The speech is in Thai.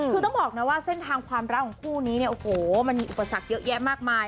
คือต้องบอกนะว่าเส้นทางความรักของคู่นี้เนี่ยโอ้โหมันมีอุปสรรคเยอะแยะมากมาย